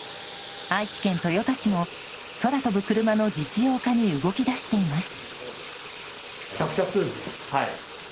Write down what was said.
愛知県豊田市も空飛ぶクルマの実用化に動き出しています。